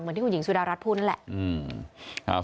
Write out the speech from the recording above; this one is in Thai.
ที่คุณหญิงสุดารัฐพูดนั่นแหละ